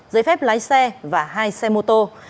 giấy phép lái xe và hai xe mô tô